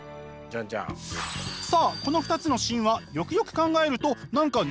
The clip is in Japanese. さあこの２つの神話よくよく考えると何か似ていませんか？